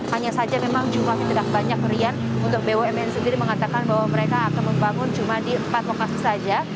hanya saja memang jumlahnya tidak banyak rian untuk bumn sendiri mengatakan bahwa mereka akan membangun cuma di empat lokasi saja